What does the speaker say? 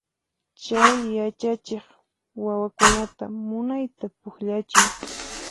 Chay yachachiq wawakunata munayta pukllachin.